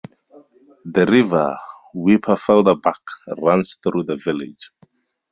The river "Wipperfelder Bach" runs through the village.